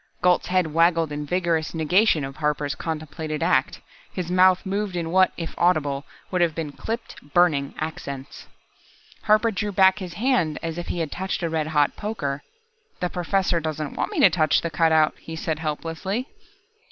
Gault's head wagged in vigorous negation of Harper's contemplated act. His mouth moved in what, if audible, would have been clipped, burning accents. Harper drew back his hand as if he had touched a red hot poker. "The Professor doesn't want me to touch the cutout," he said helplessly.